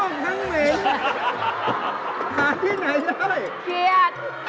หาที่ไหนได้เขียน